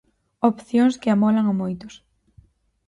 Opcións que amolan a moitos.